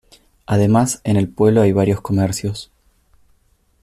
Además en el pueblo hay varios comercios.